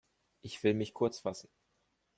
Ich will mich kurz fassen.